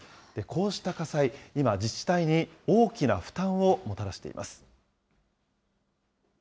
こうした火災、今、自治体に大きな負担をもたらしています。